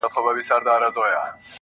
هو په همزولو کي له ټولو څخه پاس يمه